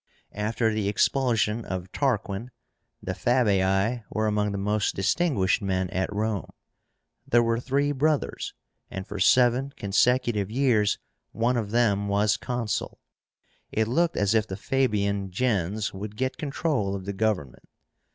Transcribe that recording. After the expulsion of Tarquin, the FABII were among the most distinguished men at Rome. There were three brothers, and for seven consecutive years one of them was Consul. It looked as if the Fabian gens would get control of the government.